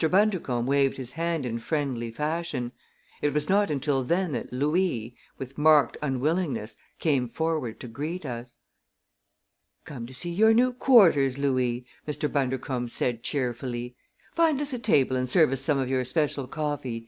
Bundercombe waved his hand in friendly fashion. It was not until then that Louis, with marked unwillingness, came forward to greet us. "Come to see your new quarters, Louis!" Mr. Bundercombe said cheerfully. "Find us a table and serve us some of your special coffee.